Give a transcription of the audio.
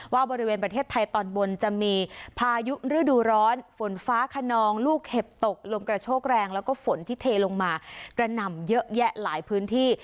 ว่าบริเวณประเทศไทยตอนบนจะมีพายุฤดูร้อนฝนฟ้าขนองลูกเห็บตกลมกระโชกแรงแล้วก็ฝนที่เทลงมากระหน่ำเยอะแยะหลายพื้นที่